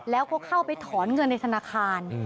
แล้วก็เข้าไปถอนเงินในธนาคาร